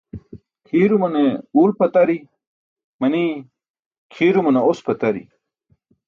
Kʰiirumane uwl pʰatari manii, kʰiirumane os pʰatari.